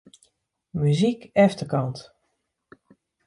Muzyk efterkant.